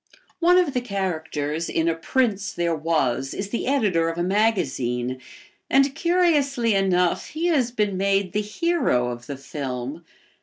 One of the characters in "A Prince There Was" is the editor of a magazine and, curiously enough, he has been made the hero of the film.